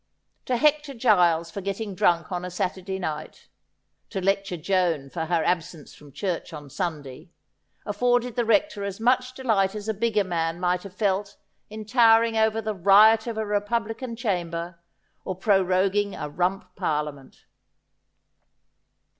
To hector G iles for getting drunk on a Saturday night, to lecture Joan for her absence from church on Sunday, afforded the Rector as much delight as a bigger man might have felt in towering over the riot of a Republican chamber or proroguing a Rump parliament.